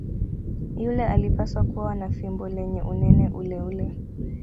Yule alipaswa kuwa na fimbo lenye unene uleule.